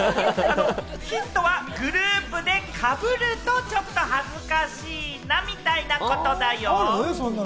ヒントは、グループでかぶるとちょっと恥ずかしいな、みたいなことだよ。